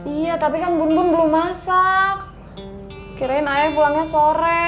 iya tapi kan bun bun belum masak kirain air pulangnya sore